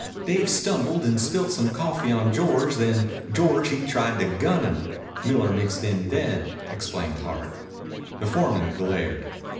"Dave stumbled and spilt some coffee on George; then George he tried to gun him. Miller mixed in then," explained Hart. The foreman glared.